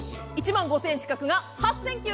１万５０００円近くが８９８０円。